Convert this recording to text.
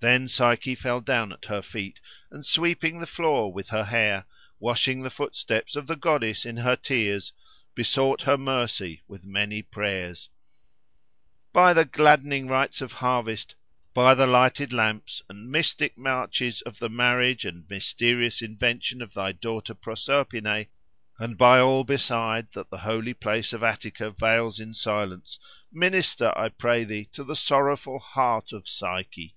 Then Psyche fell down at her feet, and sweeping the floor with her hair, washing the footsteps of the goddess in her tears, besought her mercy, with many prayers:—"By the gladdening rites of harvest, by the lighted lamps and mystic marches of the Marriage and mysterious Invention of thy daughter Proserpine, and by all beside that the holy place of Attica veils in silence, minister, I pray thee, to the sorrowful heart of Psyche!